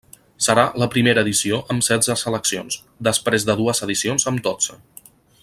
Serà la primera edició amb setze seleccions, després de dues edicions amb dotze.